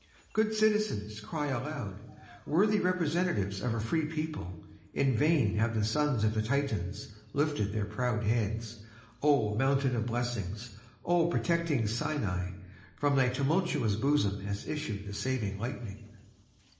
Good citizens cry aloud: 'Worthy representatives of a free people, in vain have the sons of the Titans lifted their proud heads; oh! mountain of blessing, oh! protecting Sinai, from thy tumultuous bosom has issued the saving lightning....'